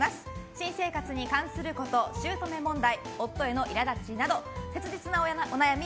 新生活に関すること姑問題、夫への苛立ちなど切実なお悩み